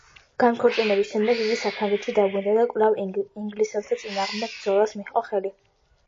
განქორწინების შემდეგ იგი საფრანგეთში დაბრუნდა და კვლავ ინგლისელთა წინააღმდეგ ბრძოლას მიჰყო ხელი.